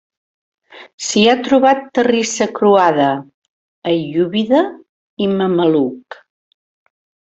S'hi ha trobat terrissa croada, aiúbida i mameluc.